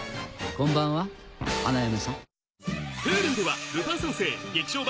こんばんは花嫁さん。